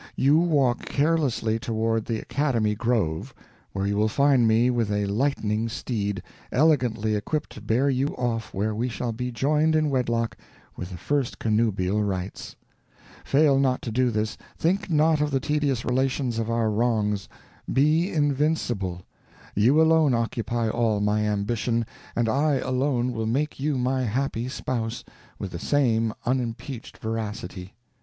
You walk carelessly toward the academy grove, where you will find me with a lightning steed, elegantly equipped to bear you off where we shall be joined in wedlock with the first connubial rights. Fail not to do this think not of the tedious relations of our wrongs be invincible. You alone occupy all my ambition, and I alone will make you my happy spouse, with the same unimpeached veracity.